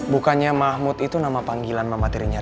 bukannya mahmud itu nama panggilan mama tiri nyata